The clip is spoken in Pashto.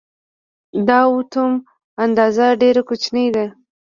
د اتوم اندازه ډېره کوچنۍ ده.